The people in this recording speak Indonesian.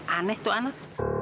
aneh tuh anak